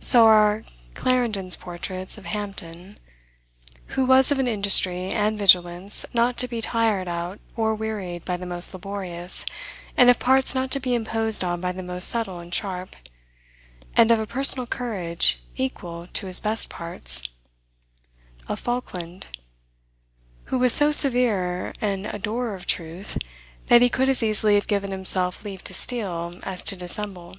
So are Clarendon's portraits, of Hampden; "who was of an industry and vigilance not to be tired out or wearied by the most laborious, and of parts not to be imposed on by the most subtle and sharp, and of a personal courage equal to his best parts" of Falkland; "who was so severe an adorer of truth, that he could as easily have given himself leave to steal, as to dissemble."